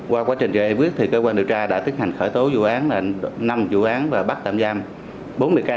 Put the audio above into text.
qua quá trình giải quyết cơ quan điều tra đã tiết hành khởi tố vụ án năm vụ án và bắt tạm giam bốn mươi ca